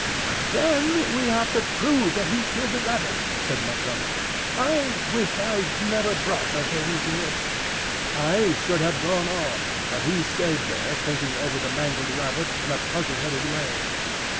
"But then we have to prove that he killed the rabbit," said Montgomery. "I wish I'd never brought the things here." I should have gone on, but he stayed there thinking over the mangled rabbit in a puzzle headed way.